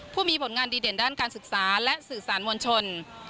ผู้มีผลงานดีเด่นด้านการศึกษาและสื่อสารมวลชน